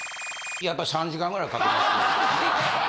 やっぱり３時間ぐらいかけますけど。